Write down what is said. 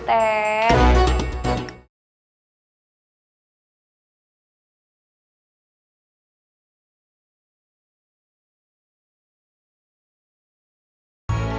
tapi masalahnya penting kan masih bisa dimakan ya gak